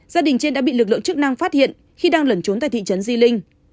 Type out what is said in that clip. gia đình trên đã bị lực lượng chức năng phát hiện khi đang lẩn trốn tại thị trấn di linh